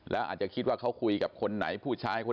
แล้วอาจจะคิดว่าเขาคุยกับคนไหนผู้ชายคน